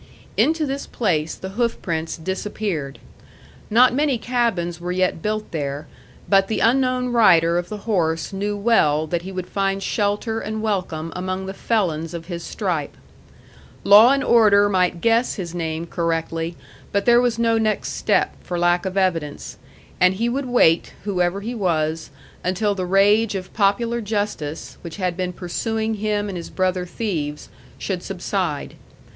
Into this place the hoofprints disappeared. Not many cabins were yet built there; but the unknown rider of the horse knew well that he would find shelter and welcome among the felons of his stripe. Law and order might guess his name correctly, but there was no next step, for lack of evidence; and he would wait, whoever he was, until the rage of popular justice, which had been pursuing him and his brother thieves, should subside.